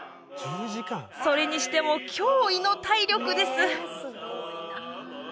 それにしても驚異の体力です